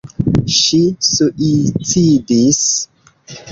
Ŝi suicidis.